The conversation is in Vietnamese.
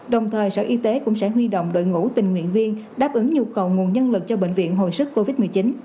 đồng thời sở y tế cũng sẽ huy động đội ngũ tình nguyện viên đáp ứng nhu cầu nguồn nhân lực cho bệnh viện hồi sức covid một mươi chín